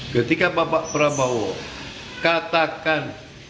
ketika bapak prabowo katakan